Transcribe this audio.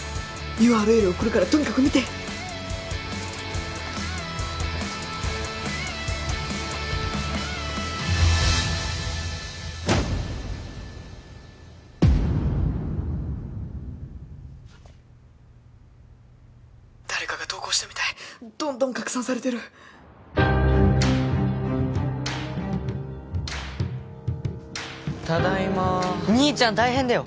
ＵＲＬ送るからとにかく見て誰かが投稿したみたいどんどん拡散されてるただいま兄ちゃん大変だよ